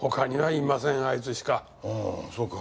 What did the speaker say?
ああそうか。